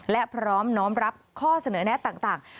และพร้อมน้อมรับข้อเสนอแนะต่าง